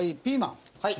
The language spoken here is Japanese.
はい。